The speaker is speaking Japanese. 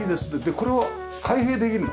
これは開閉できるの？